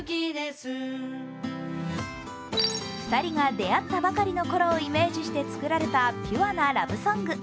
２人が出会ったばかりのころをイメージして作られたピュアなラブソング。